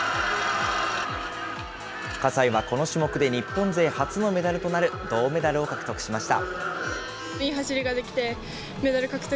葛西はこの種目で日本勢初のメダルとなる銅メダルを獲得しました。